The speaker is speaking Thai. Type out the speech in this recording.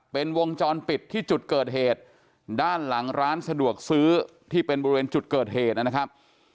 เป็นวงจรปิดที่จุดเกิดเหตุด้านหลังร้านสะดวกซื้อที่เป็นบริเวณจุดเกิดเหตุนะครับ